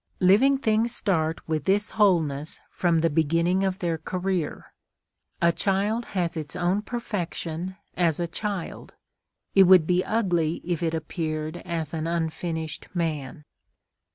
Living things start with this wholeness from the beginning of their career. A child has its own perfection as a child; it would be ugly if it appeared as an unfinished man.